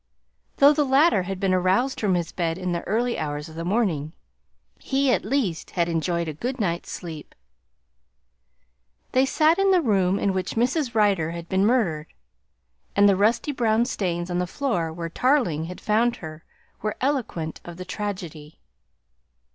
Though the latter had been aroused from his bed in the early hours of the morning, he at least had enjoyed a good night's sleep. They sat in the room in which Mrs. Rider had been murdered, and the rusty brown stains on the floor where Tarling had found her were eloquent of the tragedy.